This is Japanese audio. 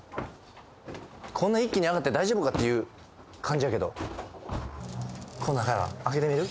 こんな一気に上がって大丈夫かっていう感じやけどこの中が開けてみる？